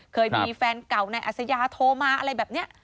เคยมีแฟนเก่านายอัศยาโทรมาอะไรแบบนี้